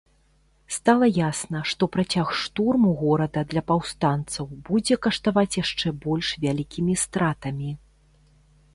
Стала ясна, што працяг штурму горада для паўстанцаў будзе каштаваць яшчэ больш вялікімі стратамі.